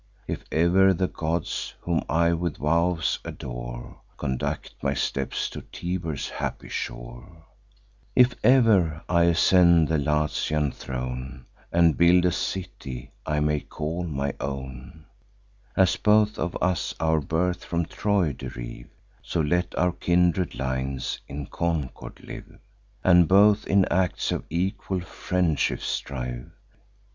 If e'er the gods, whom I with vows adore, Conduct my steps to Tiber's happy shore; If ever I ascend the Latian throne, And build a city I may call my own; As both of us our birth from Troy derive, So let our kindred lines in concord live, And both in acts of equal friendship strive.